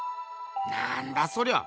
なんだそりゃ！